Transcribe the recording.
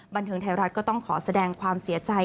บันเทิงไทยรัฐก็ต้องขอแสดงความเสียใจ